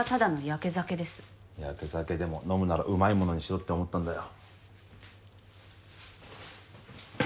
やけ酒でも飲むならうまいものにしろって思ったんだよ。